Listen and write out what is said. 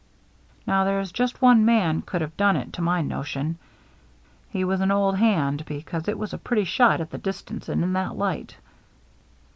Now there's just one man could have done it, to my notion. He was an old hand, because it was a pretty shot at the distance and in that light."